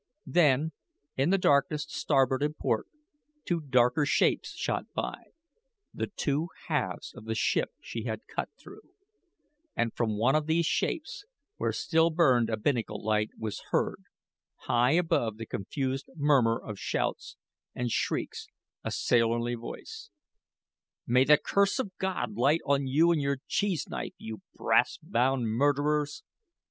Then, in the darkness to starboard and port, two darker shapes shot by the two halves of the ship she had cut through; and from one of these shapes, where still burned a binnacle light, was heard, high above the confused murmur of shouts and shrieks, a sailorly voice: "May the curse of God light on you and your cheese knife, you brass bound murderers."